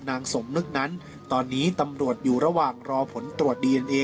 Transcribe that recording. นางสมนึกนั้นตอนนี้ตำรวจอยู่ระหว่างรอผลตรวจดีเอ็นเอ